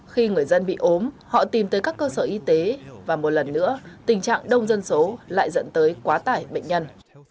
khi người dân bị ốm họ tìm tới các cơ sở y tế và một lần nữa tình trạng đông dân số lại dẫn tới quá tải bệnh nhân